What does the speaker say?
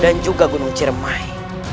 dan juga gunung ciremai